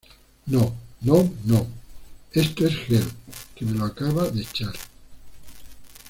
no, no, no... esto es gel, que me lo acaba de echar.